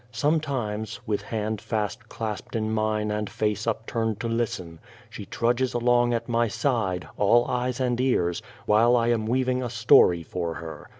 Sometimes, with hand fast clasped in mine and face upturned to listen, she trudges along at my side, all eyes and ears, while I am weaving " a story " for her.